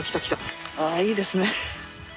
あいいですね。